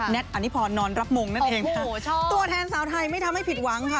ตอนิพรนอนรับมงนั่นเองค่ะตัวแทนสาวไทยไม่ทำให้ผิดหวังค่ะ